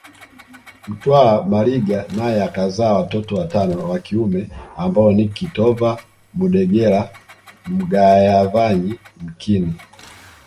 Mtwa Maliga naye akazaa watoto watano wa kiume ambao ni kitova Mudegela Mgayavanyi mkini